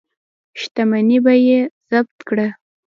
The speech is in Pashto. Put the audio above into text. شتمني به یې ضبط کړه.